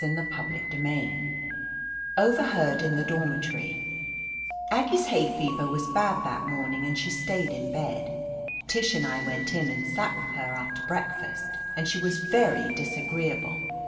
I CHAPTER VIII OVERHEARD IN THE DORMITORY A GGIE'S hay fever was bad that morning, /\ and she stayed in bed. Tish and I went in and sat with her after breakfast, and she was very disagreeable.